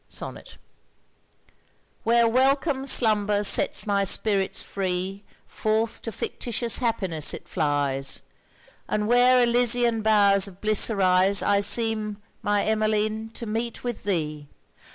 SONNET When welcome slumber sets my spirit free Forth to fictitious happiness it flies, And where Elysian bowers of bliss arise I seem, my Emmeline to meet with thee!